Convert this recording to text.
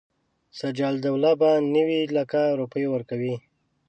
شجاع الدوله به نیوي لکه روپۍ ورکوي.